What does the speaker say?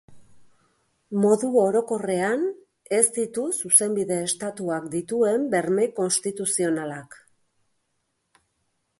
Modu orokorrean, ez ditu Zuzenbide estatuak dituen berme konstituzionalak.